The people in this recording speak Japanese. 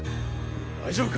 大丈夫か？